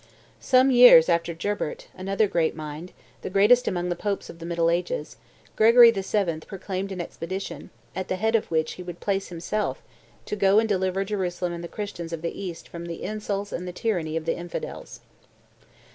Some years after Gerbert, another great mind, the greatest among the popes of the middle ages, Gregory VII., proclaimed an expedition, at the head of which he would place himself, to go and deliver Jerusalem and the Christians of the East from the insults and the tyranny of the infidels.